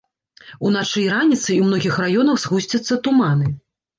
Уначы і раніцай у многіх раёнах згусцяцца туманы.